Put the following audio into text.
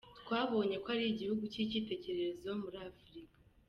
Twabonye ko ari igihugu cy’icyitegererezo muri Afurika”.